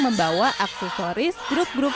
membawa aksesoris grup grup